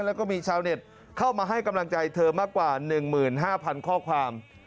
แล้วก็มีชาวเน็ตเข้ามาให้กำลังใจเธอมากกว่า๑๕๐๐ข้อความ